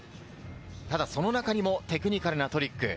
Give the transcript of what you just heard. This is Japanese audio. ただ、その中にもテクニカルなトリック。